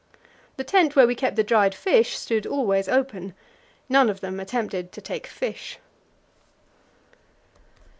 The tent where we kept the dried fish stood always open; none of them attempted to take fish.